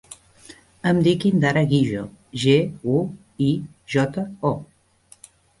Em dic Indara Guijo: ge, u, i, jota, o.